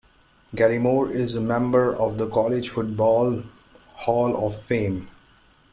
Galimore is a member of the College Football Hall of Fame.